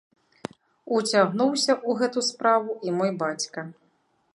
Уцягнуўся ў гэту справу і мой бацька.